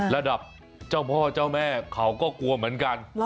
ระดับเจ้าพ่อเจ้าแม่เขาก็กลัวเหมือนกัน